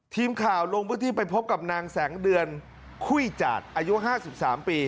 ทีมข่าวลงพื้นที่ไปพบกับนางแสงเดือนคุ้ยจาดอายุ๕๓ปี